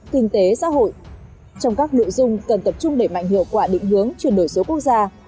thế xã hội trong các nội dung cần tập trung để mạnh hiệu quả định hướng chuyển đổi số quốc gia